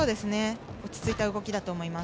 落ち着いた動きだと思います。